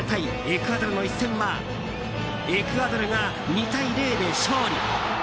エクアドルの一戦はエクアドルが２対０で勝利。